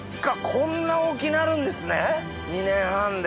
こんな大きなるんですね２年半で。